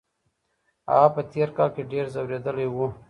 هغه په تېر کال کي ډېر ځورېدلی و.